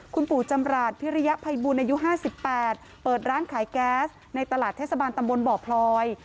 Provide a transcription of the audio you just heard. คุณปู่จำราชพิริยภัยบุญอายุ๕๘เปิดร้านขายแก๊สในตลาดเทศบาลตำบลบ่อพลอย